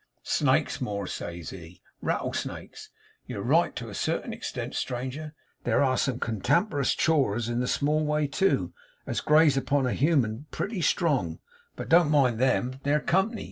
"Snakes more," says he; "rattle snakes. You're right to a certain extent, stranger. There air some catawampous chawers in the small way too, as graze upon a human pretty strong; but don't mind THEM they're company.